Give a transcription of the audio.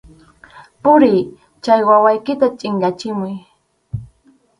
¡Puriy, chay wawaykita chʼinyachimuy!